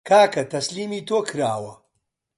کاکە تەسلیمی تۆ کراوە